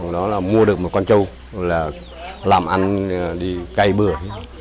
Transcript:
đó là mua được một con trâu làm ăn đi cày bừa